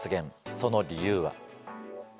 その理由は。